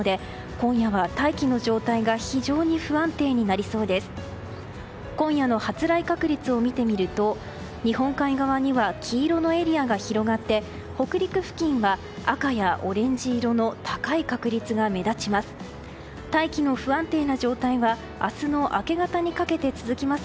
今夜の発雷確率を見てみると日本海側には黄色のエリアが広がって北陸付近は赤やオレンジ色の高い確率が目立ちます。